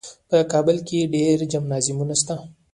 په کابل کې ډېر جمنازیمونه شته.